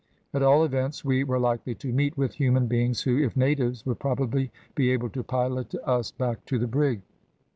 At all events, we were likely to meet with human beings, who, if natives, would probably be able to pilot us back to the brig.